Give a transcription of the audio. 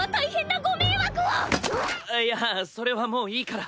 あっいやそれはもういいから。